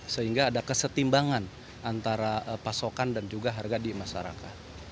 sehingga ada kesetimbangan antara pasokan dan juga harga di masyarakat